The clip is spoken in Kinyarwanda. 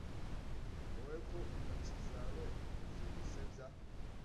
Wowe ko intoki zawe zigusebya